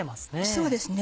そうですね